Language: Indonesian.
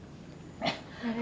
nenek aku pamit ya